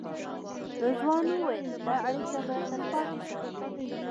رضوان وویل دا اړیکه به تلپاتې ساتو.